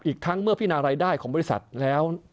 อีกทั้งเมื่อพินารายได้ของบริษัทแล้ว